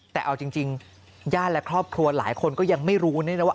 แต่เอาจริงญาติและครอบครัวหลายคนก็ยังไม่รู้เนี่ยนะว่า